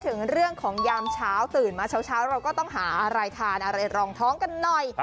ถึงเรื่องของยามเช้าตื่นมาเช้าเราก็ต้องหาอะไรทานอะไรรองท้องกันหน่อย